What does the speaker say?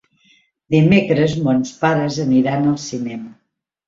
Dimecres mons pares aniran al cinema.